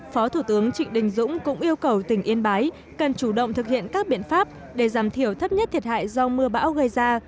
phó thủ tướng trịnh đình dũng cũng yêu cầu tỉnh yên bái cần chủ động thực hiện các biện pháp để giảm thiểu thấp nhất thiệt hại do mưa bão gây ra